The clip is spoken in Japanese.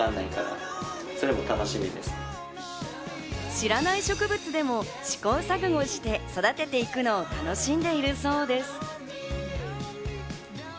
知らない植物でも試行錯誤して育てていくのを楽しんでいるそうです。